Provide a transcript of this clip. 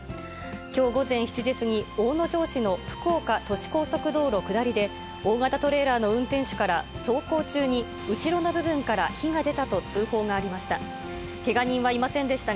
きょう午前７時過ぎ、大野城市の福岡都市高速道路下りで、大型トレーラーの運転手から走行中に後ろの部分から火が出たと通報がありました。